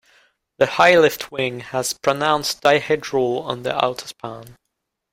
The high-lift wing has pronounced dihedral on the outer span.